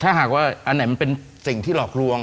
ถ้าหากว่าอันไหนมันเป็นสิ่งที่หลอกลวง